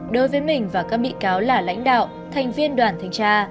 đối với mình và các bị cáo là lãnh đạo thành viên đoàn thanh tra